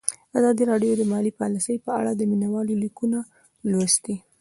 ازادي راډیو د مالي پالیسي په اړه د مینه والو لیکونه لوستي.